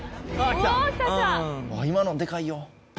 今のでかいよ。